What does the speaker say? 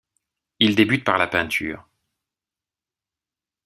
Il débute par la peinture.